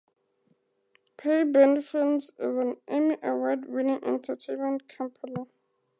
Pyburn Films is an Emmy Award winning entertainment company.